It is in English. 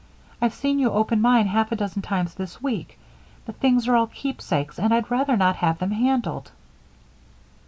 I've seen you open mine half a dozen times this week. The things are all keepsakes and I'd rather not have them handled."